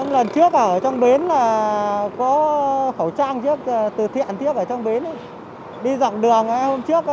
lần trước ở trong bến là có khẩu trang trước từ thiện thiết ở trong bến đi dọc đường hay hôm trước